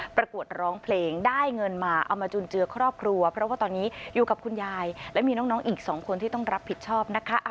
ประกวดร้องเพลงได้เงินมาเอามาจุนเจือครอบครัวเพราะว่าตอนนี้อยู่กับคุณยายและมีน้องอีก๒คนที่ต้องรับผิดชอบนะคะ